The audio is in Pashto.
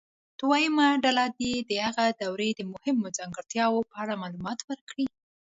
دویمه ډله دې د هغې دورې د مهمو ځانګړتیاوو په اړه معلومات ورکړي.